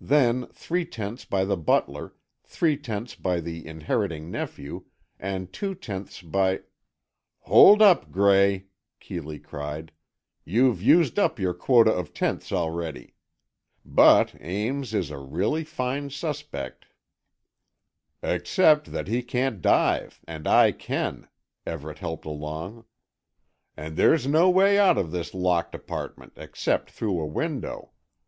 Then, three tenths by the butler, three tenths by the inheriting nephew, and two tenths by——" "Hold up, Gray," Keeley cried, "you've used up your quota of tenths already. But Ames is a really fine suspect." "Except that he can't dive and I can," Everett helped along. "And there's no way out of this locked apartment except through a window.